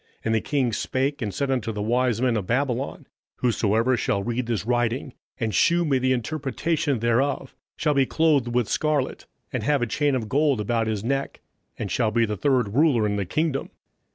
And the king spake, and said to the wise men of Babylon, Whosoever shall read this writing, and shew me the interpretation thereof, shall be clothed with scarlet, and have a chain of gold about his neck, and shall be the third ruler in the kingdom.